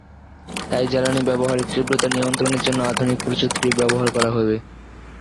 তাই জ্বালানি ব্যবহারের তীব্রতা নিয়ন্ত্রণের জন্য আধুনিক প্রযুক্তি ব্যবহার করা হবে।